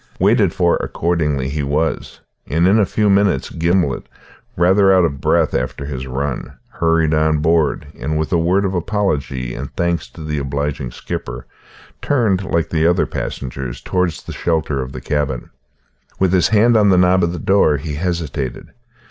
Waited for accordingly he was; and in a few minutes Gimblet, rather out of breath after his run, hurried on board, and with a word of apology and thanks to the obliging skipper turned, like the other passengers, towards the shelter of the cabin. With his hand on the knob of the door he hesitated.